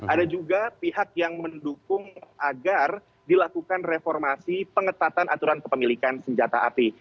ada juga pihak yang mendukung agar dilakukan reformasi pengetatan aturan kepemilikan senjata api